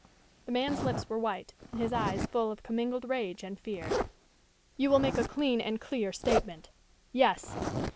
The man's lips were white and his eyes full of commingled rage and fear. "You will make a clean and clear statement?" "Yes."